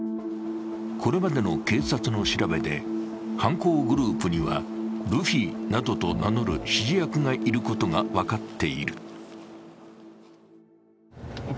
これまでの警察の調べで、犯行グループにはルフィなどと名乗る指示役がいることが分かっている。